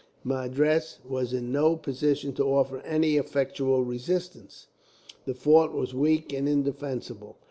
"Madras was in no position to offer any effectual resistance. The fort was weak and indefensible.